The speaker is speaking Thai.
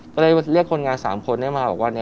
ก็ได้เรียกคนงานสามคนมาพูดว่า